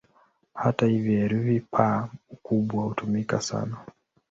Hata hivyo, herufi "P" kubwa hutumika sana.